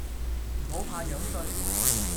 唔好怕樣衰